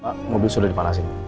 pak mobil sudah dipanasin